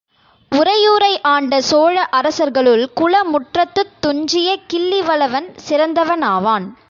உறையூரையாண்ட சோழ அரசர்களுள் குளமுற்றத்துத் துஞ்சிய கிள்ளி வளவன் சிறந்தவனாவன்.